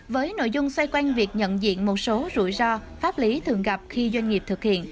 với nội dung xoay quanh việc nhận diện một số rủi ro pháp lý thường gặp khi doanh nghiệp thực hiện